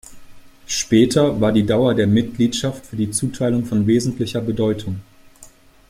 Später war die Dauer der Mitgliedschaft für die Zuteilung von wesentlicher Bedeutung.